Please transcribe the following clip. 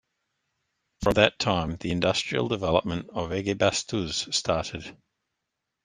From that time the industrial development of Ekibastuz started.